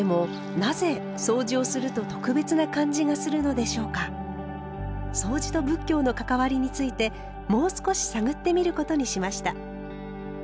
でもそうじと仏教の関わりについてもう少し探ってみることにしました。